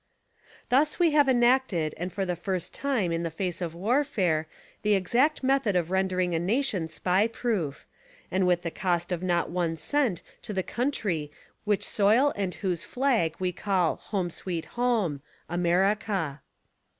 Thus \ye have enacted and for the first time in the face of warfare, the exact method of rendering a nation Spy proof; and with the cost of not one cent to the country w'hich soil and whose flag we all call "home, sweet home," AMERICA.